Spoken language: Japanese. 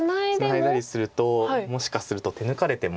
ツナいだりするともしかすると手抜かれても。